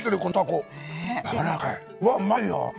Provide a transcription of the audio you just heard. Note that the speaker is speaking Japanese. うわぁうまいわ。